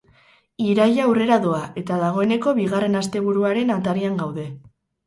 Iraila aurrera doa eta dagoeneko bigarren asteburuaren atarian gaude.